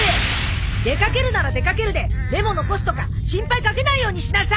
出掛けるなら出掛けるでメモ残すとか心配掛けないようにしなさい！